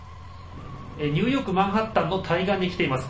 ニューヨーク・マンハッタンの対岸に来ています。